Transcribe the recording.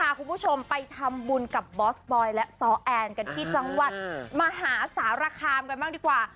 ค่ะคุณผู้ชมไปทำบุญคือบอสบอยและสอแอลร์ที่จังหวัดมหาสาธาราคามกันมากกว่า